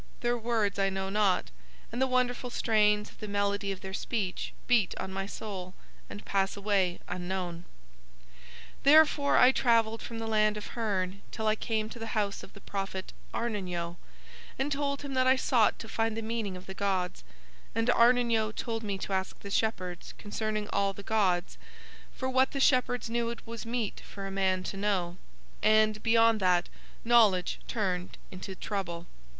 Their words I know not, and the wonderful strains of the melody of Their speech beat on my soul and pass away unknown. "'Therefore I travelled from the land of Hurn till I came to the house of the prophet Arnin Yo, and told him that I sought to find the meaning of the gods; and Arnin Yo told me to ask the shepherds concerning all the gods, for what the shepherds knew it was meet for a man to know, and, beyond that, knowledge turned into trouble.